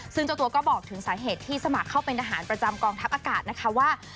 ซึ่งเจ้าตัวก็บอกถึงสาเหตุที่สมัครเข้าเป็นทหารประจำกองทัพอากาศนะคะว่า